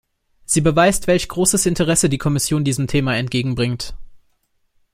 Sie beweist, welch großes Interesse die Kommission diesem Thema entgegenbringt.